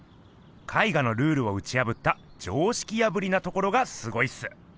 絵画のルールをうちやぶった「常識破り」なところがすごいっす。